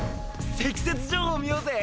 積雪情報見よぜ。